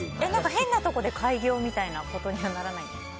変なところで改行みたいなことにはならないですか？